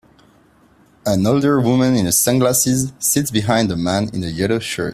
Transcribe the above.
An older woman in sunglasses sits behind a man in a yellow shirt.